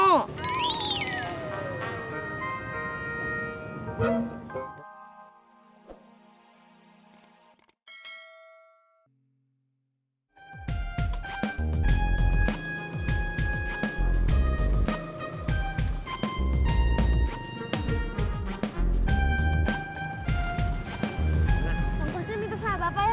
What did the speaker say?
pusun itu sangat apa ya